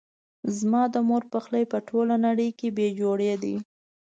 زما د مور پخلی په ټوله نړۍ کې بي جوړي ده